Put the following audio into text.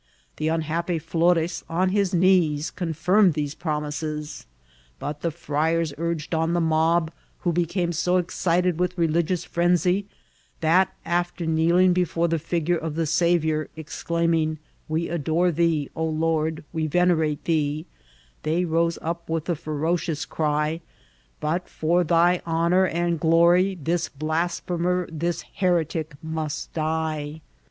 The unhappy Flores, on his knees, confirmed these promises ; but the friars urged on the mob, who became so excited with religious phrensy, that, after kneeling before the figure of the Saviour, exclaiming, " We adore thee, oh Lord, we venerate thee," they rose up with the ferocious cry, ^'but for thy honour and glory this blasphemer, this heretic, must die